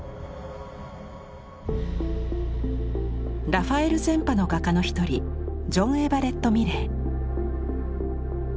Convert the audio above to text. ラファエル前派の画家の一人ジョン・エヴァレット・ミレイ。